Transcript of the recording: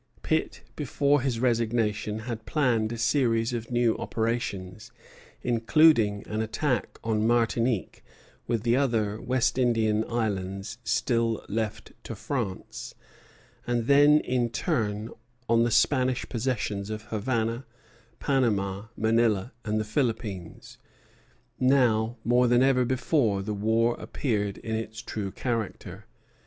Pitt, before his resignation, had planned a series of new operations, including an attack on Martinique, with other West Indian islands still left to France, and then in turn on the Spanish possessions of Havana, Panama, Manila, and the Philippines. Now, more than ever before, the war appeared in its true character.